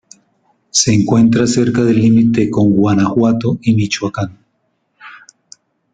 Se encuentra cerca del límite con Guanajuato y Michoacán.